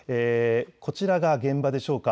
こちらが現場でしょうか。